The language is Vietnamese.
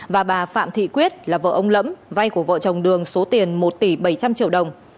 và bà phạm thị quyết là vợ ông lẫm vay của vợ chồng đường số tiền một tỷ bảy trăm linh triệu đồng